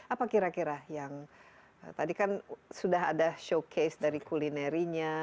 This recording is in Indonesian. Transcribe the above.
apa kira kira yang tadi kan sudah ada showcase dari kulinerinya